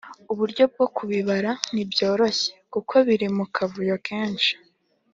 uburyo bwo kubibara ntibyoroshye kuko biri mu kavuyo kensh